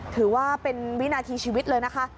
ถือว่าเป็นวินาทีชีวิตเลยนะคะ